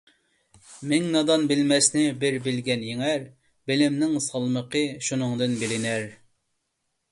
مىڭ نادان - بىلمەسنى بىر بىلگەن يېڭەر، بىلىمنىڭ سالمىقى شۇندىن بىلىنەر.